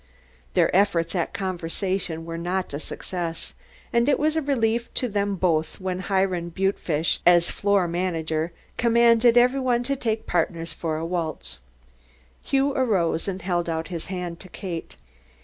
Their efforts at conversation were not a success, and it was a relief to them both when Hiram Butefish, as Floor Manager, commanded everybody to take partners for a waltz. Hughie arose and held out his hands to Kate.